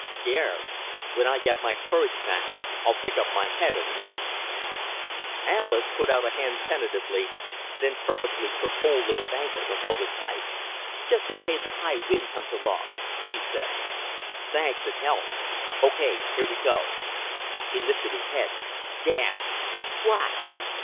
"Scared. When I get my courage back I'll pick up my head and look." Alis put a hand out tentatively, then purposefully took hold of his ankle and held it tight. "Just in case a high wind comes along," she said. "Thanks. It helps. Okay, here we go." He lifted his head. "Damn." "What?"